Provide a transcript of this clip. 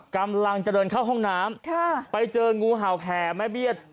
กำลังจะเดินเข้าห้องน้ำไปเจองูเห่าแผ่แม่เบี้ย